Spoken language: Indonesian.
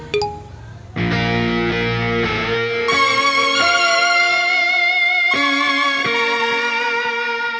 penggunaan kantong plastik sedang dikurangi